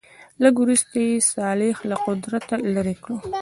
لږ وروسته یې صالح له قدرته لیرې کړ.